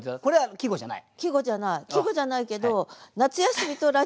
季語じゃない。